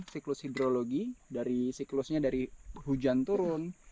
siklus hidrologi dari siklusnya dari hujan turun